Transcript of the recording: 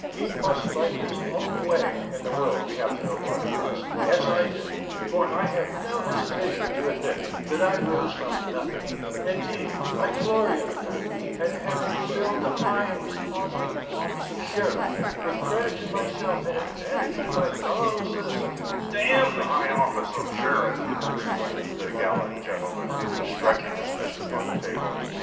He must fight his own way in the world, Captain O'Blunderbuss, as I did; for I have no hesitation to admit that I rose from nothing—indeed, I glory in the fact: and having filled the high and responsible office of Sheriff, with credit to myself and advantage to my fellow citizens——" "Damn the high office of Shiriff!" exclaimed the gallant gentleman, striking his fist upon the table.